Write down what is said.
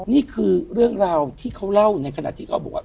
นี่คือเรื่องราวที่เขาเล่าในขณะที่เขาบอกว่า